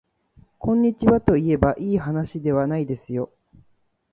こんにちはといえばいいはなしではないですよ